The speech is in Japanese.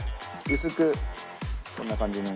薄くこんな感じに。